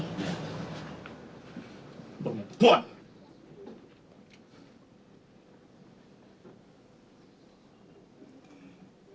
kalau ada perlu apa apa panggil saja cici